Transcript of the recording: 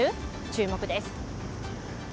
注目です。